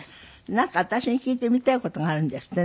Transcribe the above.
なんか私に聞いてみたい事があるんですって？